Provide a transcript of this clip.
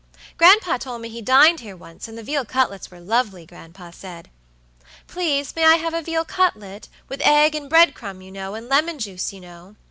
Gran'pa told me he dined here once, and the veal cutlets were lovely, gran'pa said. Please may I have a veal cutlet, with egg and bread crumb, you know, and lemon juice you know?"